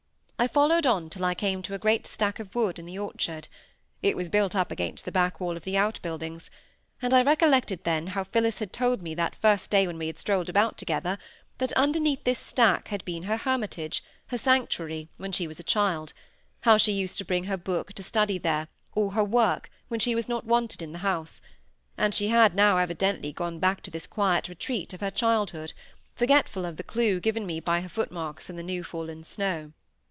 I followed on till I came to a great stack of wood in the orchard—it was built up against the back wall of the outbuildings,—and I recollected then how Phillis had told me, that first day when we strolled about together, that underneath this stack had been her hermitage, her sanctuary, when she was a child; how she used to bring her book to study there, or her work, when she was not wanted in the house; and she had now evidently gone back to this quiet retreat of her childhood, forgetful of the clue given me by her footmarks on the new fallen snow.